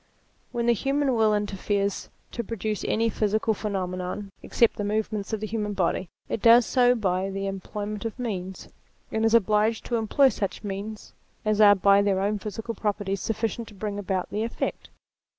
When the human will interferes to produce any physical phenomenon, except the movements of the human body, it does so by the employment of means: and is obliged to employ such means as are by their own physical properties sufficient to bring about the effect.